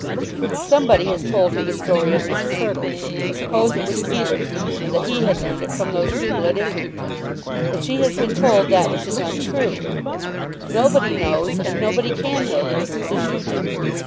Somebody has told her the story of Mrs. Hurtle. I suppose it was Felix, and that he had learned it from those people at Islington. But she has been told that which is untrue. Nobody knows and nobody can know the truth as you do.